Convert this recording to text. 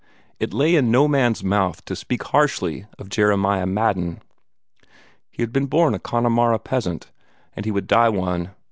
It lay in no man's mouth to speak harshly of Jeremiah Madden. He had been born a Connemara peasant, and he would die one.